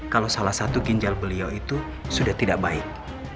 kalau salah satu ginjal beliau itu sudah tidak baik